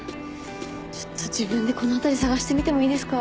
ちょっと自分でこの辺り捜してみてもいいですか？